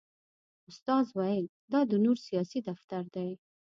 استاد ویل دا د نور سیاسي دفتر دی.